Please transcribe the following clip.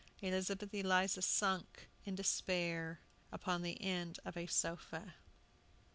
Elizabeth Eliza sunk in despair upon the end of a sofa.